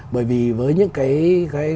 bởi vì với những cái